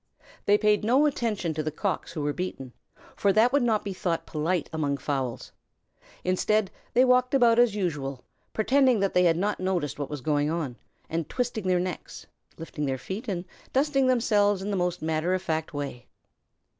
They paid no attention to the Cocks who were beaten, for that would not be thought polite among fowls. Instead, they walked about as usual, pretending that they had not noticed what was going on, and twisting their necks, lifting their feet, and dusting themselves in the most matter of fact way.